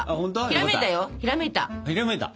ひらめいたよひらめいた！